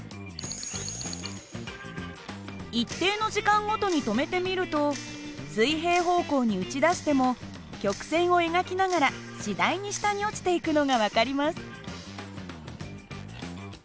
一定の時間ごとに止めてみると水平方向に打ち出しても曲線を描きながら次第に下に落ちていくのが分かります。